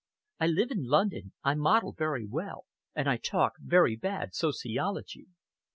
I live in London, I model very well, and I talk very bad sociology.